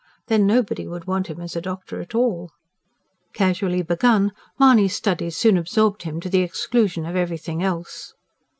Then, nobody would want him as a doctor at all. Casually begun, Mahony's studies soon absorbed him to the exclusion of everything else.